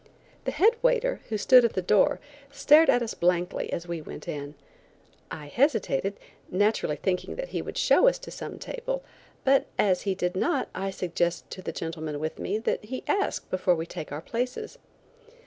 The head waiter, who stood at the door, stared at us blankly as we went in. I hesitated, naturally thinking that he would show us to some table, but as he did not I suggested to the gentleman with me, that he ask before we take our places.